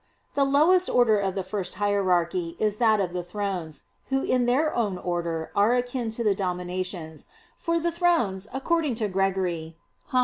The lowest order of the first hierarchy is that of the "Thrones," who in their own order are akin to the "Dominations"; for the "Thrones," according to Gregory (Hom.